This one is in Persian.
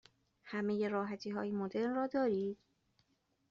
همه راحتی های مدرن را دارید؟